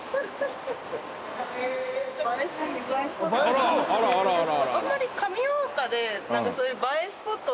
あらあらあらあら。